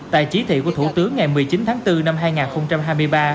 tại chỉ thị của thủ tướng ngày một mươi chín tháng bốn năm hai nghìn hai mươi ba